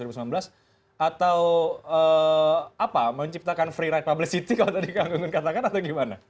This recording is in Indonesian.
di pilpres dua ribu sembilan belas atau apa menciptakan free ride publicity kalau tadi kak gunggung katakan atau gimana